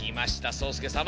そうすけさま。